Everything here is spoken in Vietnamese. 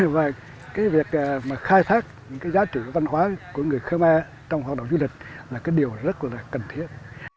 và cái việc mà khai thác những cái giá trị văn hóa của người khmer trong hoạt động du lịch là cái điều rất là cần thiết